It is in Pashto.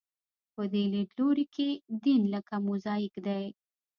په دې لیدلوري کې دین لکه موزاییک دی.